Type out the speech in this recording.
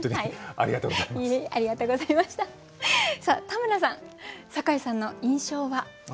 さあ田村さん酒井さんの印象は？